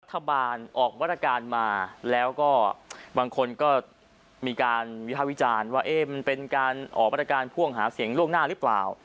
รัฐบาลออกมาตรการมาแล้วก็บางคนก็มีการวิภาควิจารณ์ว่ามันเป็นการออกมาตรการพ่วงหาเสียงล่วงหน้าหรือเปล่า